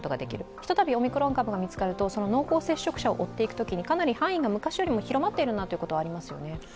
ひとたびオミクロン株が見つかるとその濃厚接触者を追っていくときに、かなり範囲が昔よりも広まっているということはありますよね？